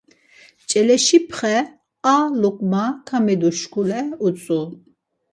Çeleşipxe a luǩma kamidu şuǩule utzu.